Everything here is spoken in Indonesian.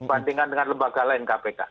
bandingkan dengan lembaga lain kpk